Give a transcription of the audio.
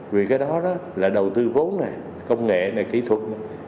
vì cái đó là đầu tư vốn này công nghệ này kỹ thuật